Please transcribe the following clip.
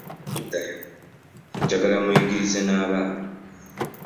Bwe muddayo njagala mugiyigirize n'abaana.